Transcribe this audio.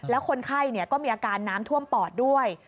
แล้วคนไข้ก็มีอาการน้ำท่วมปอดด้วย